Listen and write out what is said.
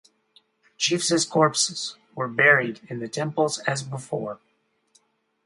Chiefs' corpses were buried in the temples as before.